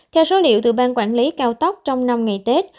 theo số liệu từ ban quản lý cao tốc trong năm ngày tết